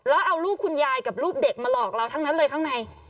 แล้วเอารูปคุณยายกับรูปเด็กมาหลอกเราทั้งนั้นเลยข้างใน